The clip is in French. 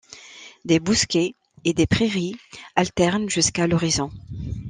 Des bosquets et des prairies alternent jusqu'à l'horizon.